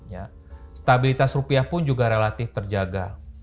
ya stabilitas rupiah pun juga relatif terjaga